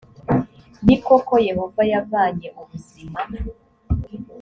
ni koko yehova yavanye ubuzima